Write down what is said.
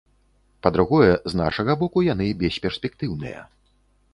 Па-другое, з нашага боку яны бесперспектыўныя.